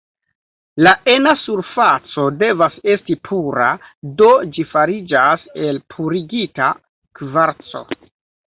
La ena surfaco devas esti pura, do ĝi fariĝas el purigita kvarco.